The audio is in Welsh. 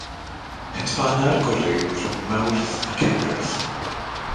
Hedfana'r gwryw rhwng Mawrth ac Ebrill.